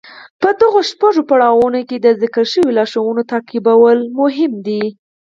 په دغو شپږو پړاوونو کې د ذکر شويو لارښوونو تعقيبول اړين دي.